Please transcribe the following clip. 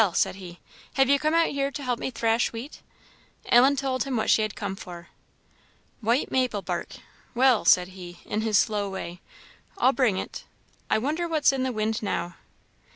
said he, "have you come out here to help me thrash wheat?" Ellen told him what she had come for. "White maple bark well," said he, in his slow way, "I'll bring it. I wonder what's in the wind now!"